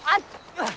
あっ！